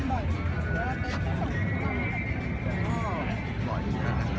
แม่กับผู้วิทยาลัย